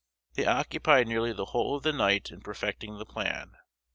They occupied nearly the whole of the night in perfecting the plan.